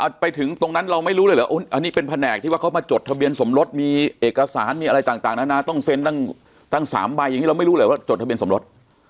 เอาไปถึงตรงนั้นเราไม่รู้เลยเหรออันนี้เป็นแผนกที่ว่าเขามาจดทะเบียนสมรสมีเอกสารมีอะไรต่างนานาต้องเซ็นตั้ง๓ใบอย่างนี้เราไม่รู้เลยว่าจดทะเบียนสมรส